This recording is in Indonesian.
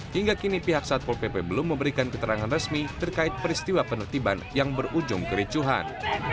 hingga kini pihak satpol pp belum memberikan keterangan resmi terkait peristiwa penertiban yang berujung kericuhan